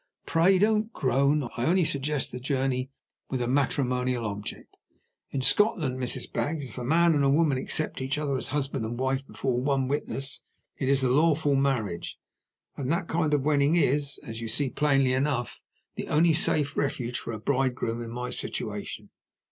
Pray don't groan! I only suggest the journey with a matrimonial object. In Scotland, Mrs. Baggs, if a man and woman accept each other as husband and wife, before one witness, it is a lawful marriage; and that kind of wedding is, as you see plainly enough, the only safe refuge for a bridegroom in my situation.